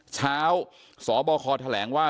เช้าสบคแถลงว่า